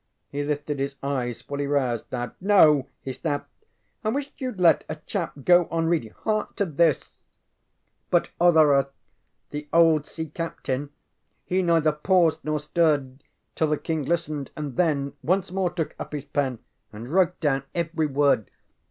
He lifted his eyes, fully roused now. ŌĆ£No! ŌĆØ he snapped. ŌĆ£I wish youŌĆÖd let a chap go on reading. Hark to this: ŌĆ£ŌĆśBut Othere, the old sea captain, He neither paused nor stirred Till the king listened, and then ŌĆśOnce more took up his pen And wrote down every word.